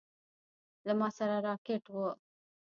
له ما سره راکټ و.